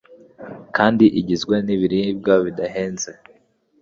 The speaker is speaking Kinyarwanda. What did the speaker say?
kandi igizwe n’ibiribwa bidahenze.